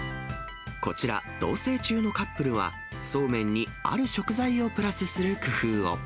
こちら、同せい中のカップルは、そうめんにある食材をプラスする工夫を。